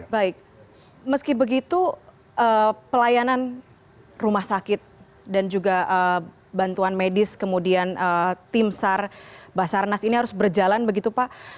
baik meski begitu pelayanan rumah sakit dan juga bantuan medis kemudian tim sar basarnas ini harus berjalan begitu pak